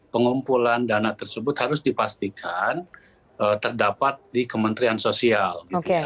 pengumpulan dana tersebut harus dipastikan terdapat di kementerian sosial